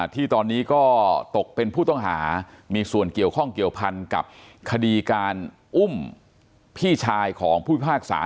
ที่ตอนนี้ก็ตกเป็นผู้ต้องหามีส่วนเกี่ยวข้องเกี่ยวพันกับคดีการอุ้มพี่ชายของผู้พิพากษา